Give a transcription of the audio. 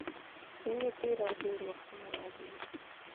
د مینې تېر او هېر وختونه رايادوي.